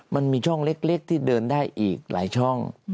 มันมีช่องเล็กที่เดินได้อีกหลายช่อง